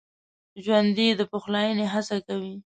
ژوندي د پخلاينې هڅه کوي